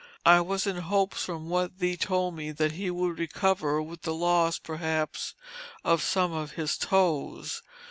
I was in hopes from what thee told me, that he would recover with the loss perhaps of some of his toes.